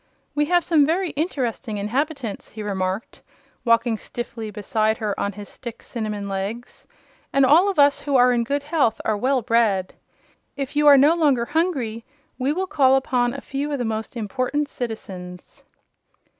"We have some very interesting inhabitants," he remarked, walking stiffly beside her on his stick cinnamon legs; "and all of us who are in good health are well bred. If you are no longer hungry we will call upon a few of the most important citizens."